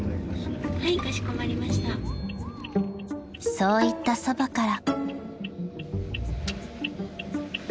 ［そう言ったそばから］